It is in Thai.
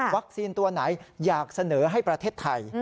ตัวไหนอยากเสนอให้ประเทศไทย